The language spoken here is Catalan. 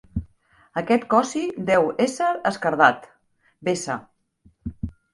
Aquest cossi deu ésser esquerdat: vessa.